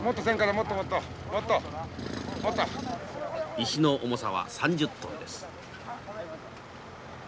石の重さは３０トンです。